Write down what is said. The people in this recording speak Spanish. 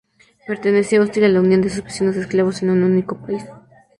Permanecía hostil a la unión de sus vecinos eslavos en un único país.